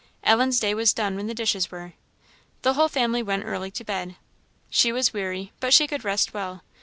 Ellen's day was done when the dishes were. The whole family went early to bed. She was weary but she could rest well.